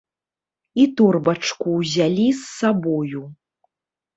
І торбачку ўзялі з сабою.